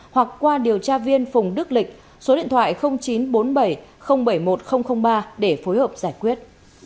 hoặc qua điều tra viên phùng đức lịch số điện thoại chín trăm bốn mươi bảy bảy mươi một nghìn ba để phối hợp giải quyết